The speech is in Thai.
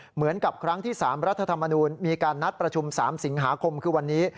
เหมือนกับครั้งที่๓รัฐธรรมนูญมีการนัดประชุม๓สิงหาคมคือวันนี้